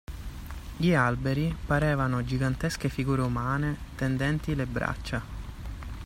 Gli alberi parevano gigantesche figure umane tendenti le braccia.